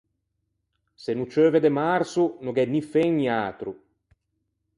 Se no ceuve de marso, no gh’é ni fen ni atro.